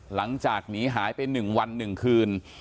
หลังจากหนีหายไป๑วัน๑คืน